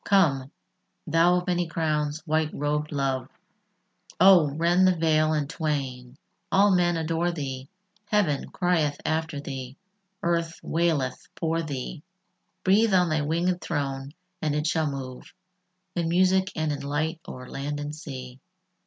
Come, thou of many crowns, white robèd love, Oh! rend the veil in twain: all men adore thee; Heaven crieth after thee; earth waileth for thee: Breathe on thy wingèd throne, and it shall move In music and in light o'er land and sea.